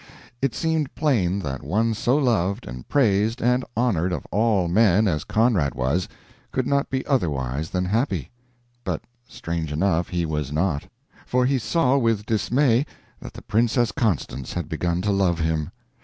It seemed plain that one so loved and praised and honored of all men as Conrad was, could not be otherwise than happy. But strange enough, he was not. For he saw with dismay that the Princess Constance had begun to love him!